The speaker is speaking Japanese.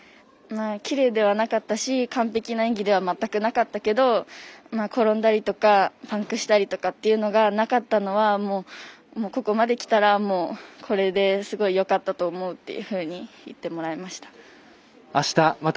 きれいではなかったし完璧な演技では全くなかったけど転んだりとか、パンクしたりとかなかったのは、ここまできたらこれですごいよかったと思うというふうに言ってもらいました。